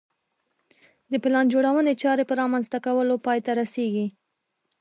د پلان جوړونې چارې په رامنځته کولو پای ته رسېږي